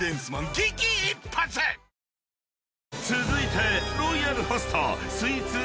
［続いて］